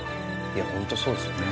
ホントそうですよね。